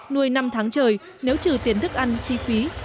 nuôi năm tháng trời nếu trừ tiền thức ăn chi phí